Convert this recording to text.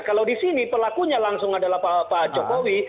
kalau di sini pelakunya langsung adalah pak jokowi